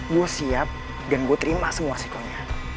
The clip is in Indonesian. gue siap dan gue terima semua sikonya